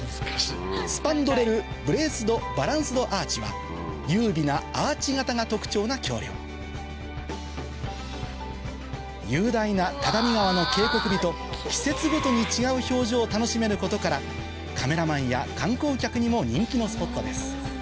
スパンドレルブレースドバランスドアーチは優美なアーチ型が特徴な橋梁雄大な只見川の渓谷美と季節ごとに違う表情を楽しめることからカメラマンや観光客にも人気のスポットです